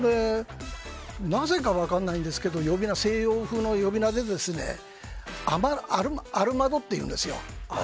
なぜか分かんないんですけど西洋風の呼び名でアルマドっていうんですよ。